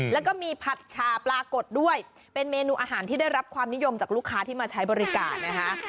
แล้วก็มีผัดชาปลากดด้วยเป็นเมนูอาหารที่ได้รับความนิยมจากลูกค้าที่มาใช้บริการนะคะ